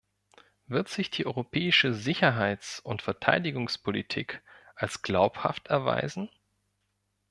Wird sich die europäische Sicherheits- und Verteidigungspolitik als glaubhaft erweisen?